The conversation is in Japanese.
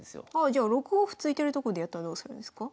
じゃあ６五歩突いてるとこでやったらどうするんですか？